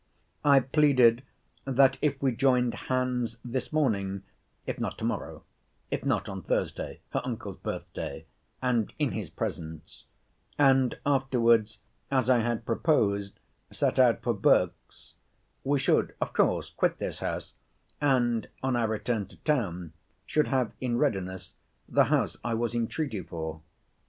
I pleaded, that if we joined hands this morning, (if not, to morrow; if not, on Thursday, her uncle's birth day, and in his presence); and afterwards, as I had proposed, set out for Berks; we should, of course, quit this house; and, on our return to town, should have in readiness the house I was in treaty for.